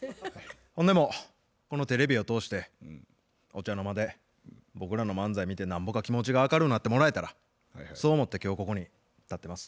ほんでもこのテレビを通してお茶の間で僕らの漫才見てなんぼか気持ちが明るうなってもらえたらそう思って今日ここに立ってます。